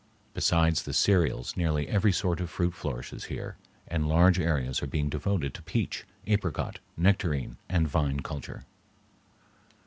Besides the cereals nearly every sort of fruit flourishes here, and large areas are being devoted to peach, apricot, nectarine, and vine culture.